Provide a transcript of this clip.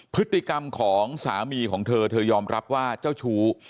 พฤติกรรมของสามีของเธอเธอยอมรับว่าเจ้าชู้